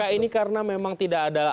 ini karena memang tidak ada